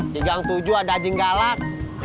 di gang tujuh ada anjing galak